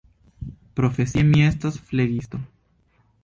Profesie mi estas flegisto.